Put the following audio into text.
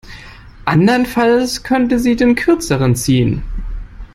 Anderenfalls könnte sie den Kürzeren ziehen.